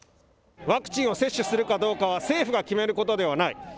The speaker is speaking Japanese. ワクチンを接種するかどうかは政府が決めることではない。